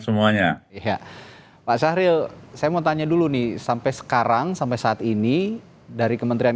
semuanya iya pak syahril saya mau tanya dulu nih sampai sekarang sampai saat ini dari kementerian